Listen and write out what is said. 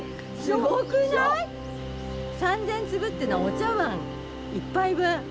すごい！３，０００粒ってのはお茶わん１杯分。